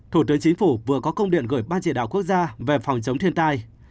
thủ tướng chính phủ vừa có công điện gửi ban chỉ đạo quốc gia về phòng chống thiên tai